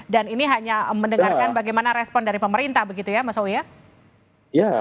dan ini hanya mendengarkan bagaimana respon dari pemerintah begitu ya mas howie ya